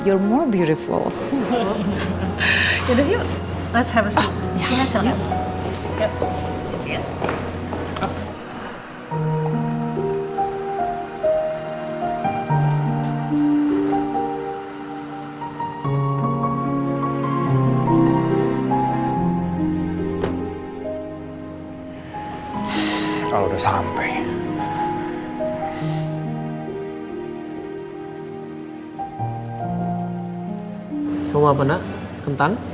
kamu lebih cantik